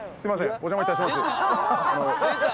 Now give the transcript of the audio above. お邪魔いたします